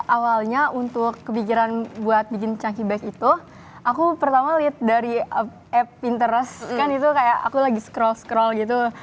awalnya untuk kepikiran buat bikin cangki back itu aku pertama lihat dari app pinterest kan itu kayak aku lagi scroll scroll gitu